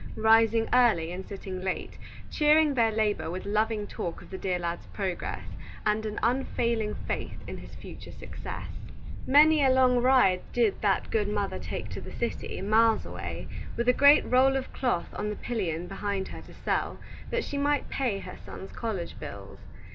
rising early and sitting late, cheering their labor with loving talk of the dear lad's progress, and an unfailing faith in his future success. Many a long ride did that good mother take to the city, miles away, with a great roll of cloth on the pillion behind her to sell, that she might pay her son's college bills.